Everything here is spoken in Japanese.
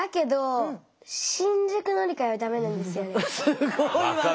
すごいわね。